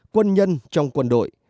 quân nhân trong quân đội